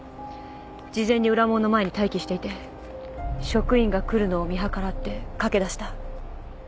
事前に裏門の前に待機していて職員が来るのを見計らって駆け出した。